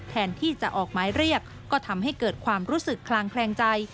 แทนที่จะออกหมายเรียกก็ทำให้เกิดความรู้สึกคลางแคลงใจ